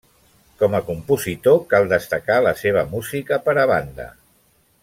Com a compositor cal destacar la seva música per a banda.